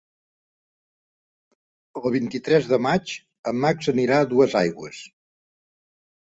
El vint-i-tres de maig en Max anirà a Duesaigües.